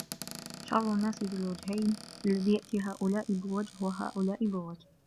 شَرُّ النَّاسِ ذُو الْوَجْهَيْنِ الَّذِي يَأْتِي هَؤُلَاءِ بِوَجْهٍ وَهَؤُلَاءِ بِوَجْهٍ